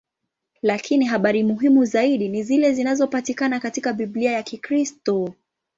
Lakini habari muhimu zaidi ni zile zinazopatikana katika Biblia ya Kikristo.